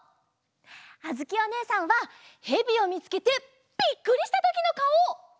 あづきおねえさんはヘビをみつけてびっくりしたときのかお！